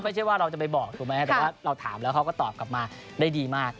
ไม่ใช่ว่าเราจะไปบอกถูกไหมแต่ว่าเราถามแล้วเขาก็ตอบกลับมาได้ดีมาก